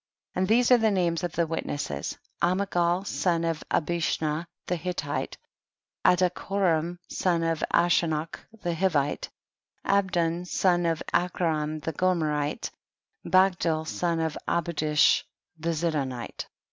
8. And these are the names of the witnesses, Amigal son of Abishna the Hittite, Adichorom son of Ashu nach the Hivite, Abdon son of Achi ram the Gomerite, Bakdil the son of Abudish the Zidonite.